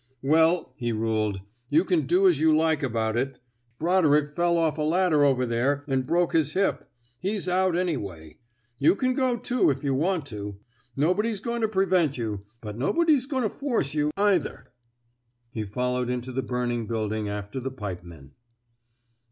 '* Well," he ruled, '' you can do as you like about it. Brodrick fell off a ladder over there, and broke his hip. He's out anyway. You can go, too, if you want to. Nobody's going to prevent you, but nobody's going to force you, either." He followed into the burning building after the pipemen.